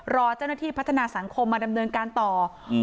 รอเจ้าหน้าที่พัฒนาสังคมมาดำเนินการต่ออืม